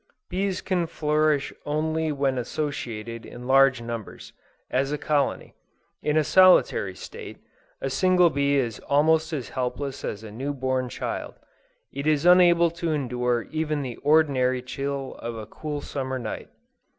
Bees can flourish only when associated in large numbers, as a colony. In a solitary state, a single bee is almost as helpless as a new born child; it is unable to endure even the ordinary chill of a cool summer night.